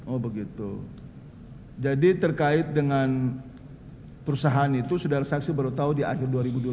oh begitu jadi terkait dengan perusahaan itu saudara saksi baru tahu di akhir dua ribu dua puluh